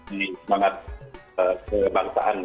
ini semangat kebangsaan